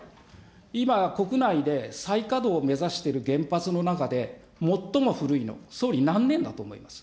今、国内で再稼働を目指してる原発の中で、最も古いのは総理、何年だと思います。